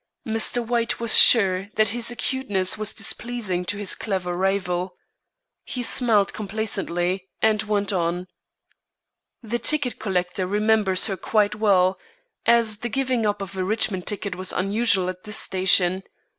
Mr. White was sure that his acuteness was displeasing to his clever rival. He smiled complacently, and went on: "The ticket collector remembers her quite well, as the giving up of a Richmond ticket was unusual at this station.